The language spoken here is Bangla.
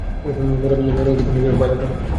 মেয়েরা কীভাবে পাইলট হবে?